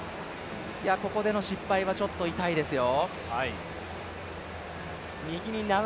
ここでの失敗はちょっと痛いですよ。